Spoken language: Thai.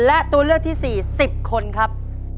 และตัวเลือกที่๔๐คนครับ